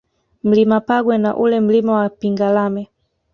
Mlima Pagwe na ule Mlima wa Pingalame